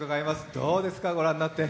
どうですか、御覧になって？